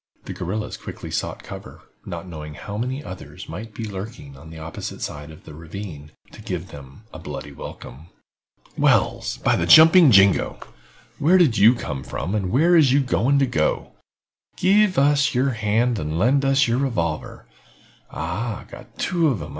The guerrillas quickly sought cover, not knowing how many others might be lurking on the opposite side of the ravine to give them a bloody welcome. "Wells, by the jumping jingo! Where did you come from and where is you going to? Give us yer hand and lend us yer revolver. Ah, got two of 'em.